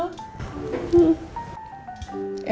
emang di dalam ada ruangan